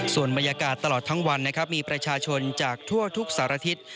ส่วนบรรยากาศตลอดทั้งวันนะครับมีประชาชนจากทั่วทุกสารทิศ